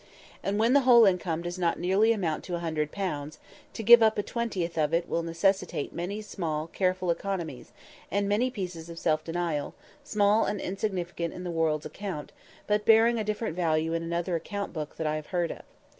And when the whole income does not nearly amount to a hundred pounds, to give up a twentieth of it will necessitate many careful economies, and many pieces of self denial, small and insignificant in the world's account, but bearing a different value in another account book that I have heard of.